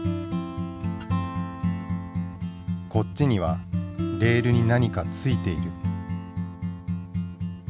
こっちにはレールに何か付いている。